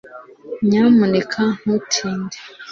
nyamuneka ntutinde